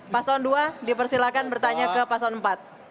pasangan dua dipersilakan bertanya ke pasangan empat